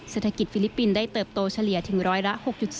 ฟิลิปปินส์ได้เติบโตเฉลี่ยถึงร้อยละ๖๒